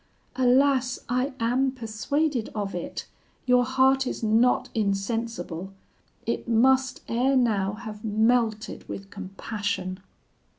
Alas! I am persuaded of it; your heart is not insensible; it must ere now have melted with compassion.'